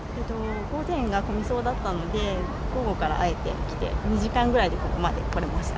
午前が混みそうだったので、午後からあえて来て、２時間ぐらいでここまで来れました。